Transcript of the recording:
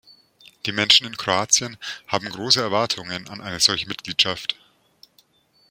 Die Menschen in Kroatien haben große Erwartungen an eine solche Mitgliedschaft.